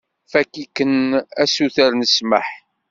Fakk-iken asuter n ssmaḥ.